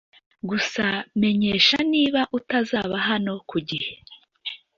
Gusa menyesha niba utazaba hano ku gihe